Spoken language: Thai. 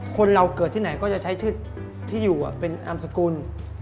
คนเราเกิดที่ไหนก็จะใช้ชื่อที่อยู่เป็นนามสกุล